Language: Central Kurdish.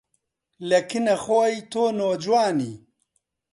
لە کنە خۆی تۆ نۆجوانی